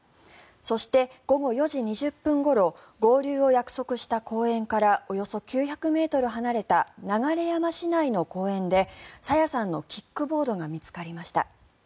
そして、午後４時２０分ごろ合流を約束した公園からおよそ９００ｍ離れた流山市内の公園で朝芽さんのキックボードが見つかりました。